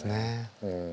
うん。